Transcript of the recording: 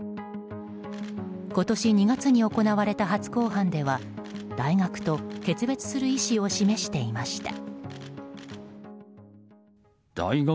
今年２月に行われた初公判では大学と決別する意思を示していました。